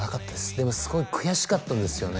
でもすごい悔しかったんですよね